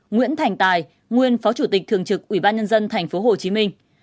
một nguyễn thành tài nguyên phó chủ tịch thường trực ủy ban nhân dân tp hcm